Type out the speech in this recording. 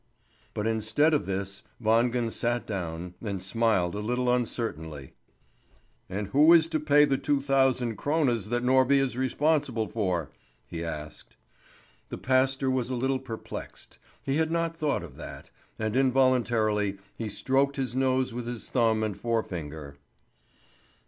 But instead of this, Wangen sat down, and smiled a little uncertainly. "And who is to pay the two thousand krones that Norby is responsible for?" he asked. The pastor was a little perplexed. He had not thought of that, and involuntarily he stroked his nose with his thumb and forefinger.